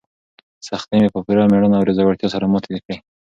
سختۍ مې په پوره مېړانه او زړورتیا سره ماتې کړې.